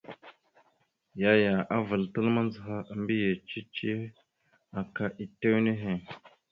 Yaya avəlatal mandzəha a mbiyez cici aka itew nehe.